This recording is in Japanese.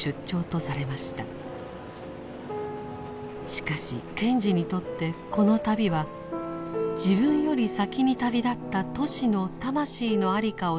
しかし賢治にとってこの旅は自分より先に旅立ったトシの魂の在りかを探す意味が込められていました。